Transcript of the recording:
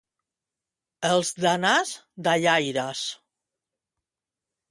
Els d'Anàs, dallaires.